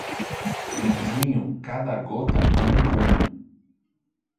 Em junho, cada gota, como o punho.